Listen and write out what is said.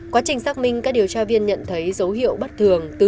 quá trình xác minh các điều tra viên nhận thấy dấu hiệu bất thường